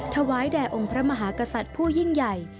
ถวายแด่องค์พระมหากษัตริย์ผู้ยิ่งใหญ่